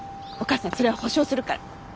お母さんそれは保証するから。